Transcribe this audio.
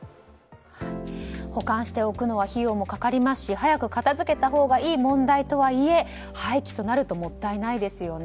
保管しておくのは費用もかかりますし早く片付けたほうがいい問題であるとはいえ廃棄となるともったいないですよね。